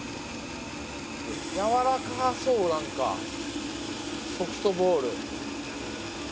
軟らかそう何かソフトボール。